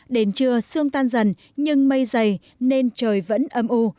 đến trưa sương tan dần nhưng mây dày nên trời vẫn âm u